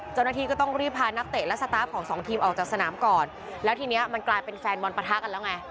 เจ้าหน้าที่ก็ต้องรีบพานักเตะและสตาร์ฟของสองทีมออกจากสนามก่อนแล้วทีเนี้ยมันกลายเป็นแฟนบอลปะทะกันแล้วไง